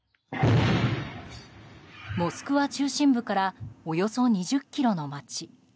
モスクワ中心部からおよそ２０ｋｍの街。